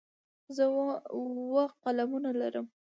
زه اووه قلمونه لرم.